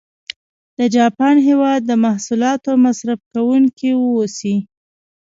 د جاپان هېواد د محصولاتو مصرف کوونکي و اوسي.